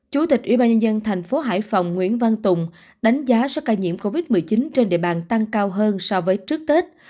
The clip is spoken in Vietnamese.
chủ tịch ubnd tp hải phòng nguyễn văn tùng đánh giá số ca nhiễm covid một mươi chín trên địa bàn tăng cao hơn so với trước tết